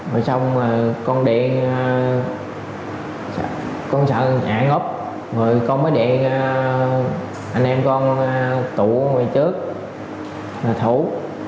rồi xong rồi con điện con sợ chạy ngốc rồi con mới điện anh em con tụ ngoài trước thủ